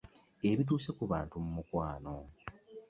Ebituuse ku bantu mu mukwano.